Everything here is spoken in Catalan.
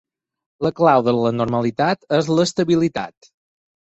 La clau de la normalitat és l’estabilitat.